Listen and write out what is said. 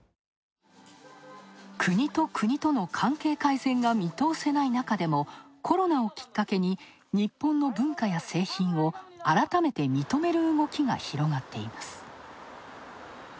国と国との関係改善が見通せないなかでも、コロナをきっかけに日本の文化や製品を改めて認める動きが広がっています。